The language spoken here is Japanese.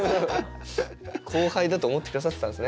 後輩だと思って下さってたんですね。